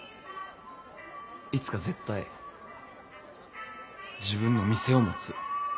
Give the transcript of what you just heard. いつか絶対自分の店を持つ。